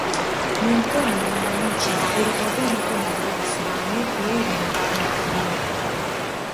Miongoni mwa wananchi ulitazamwa kama uasi na watu wengi walikamatwa